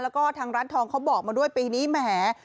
แล้วก็ทางร้านทองเขาบอกมาด้วยปีนี้แหม